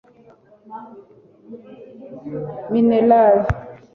minerals